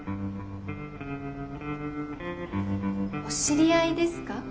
お知り合いですか？